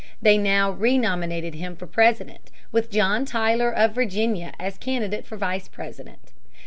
They now renominated him for President, with John Tyler of Virginia as candidate for Vice President.